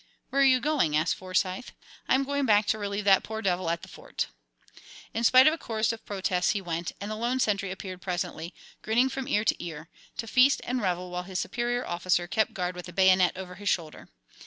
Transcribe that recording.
"Where are you going?" asked Forsyth. "I'm going back to relieve that poor devil at the Fort." In spite of a chorus of protests, he went, and the lone sentry appeared presently, grinning from ear to ear, to feast and revel while his superior officer kept guard with a bayonet over his shoulder.